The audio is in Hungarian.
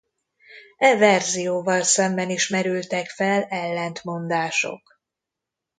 E verzióval szemben is merültek fel ellentmondások.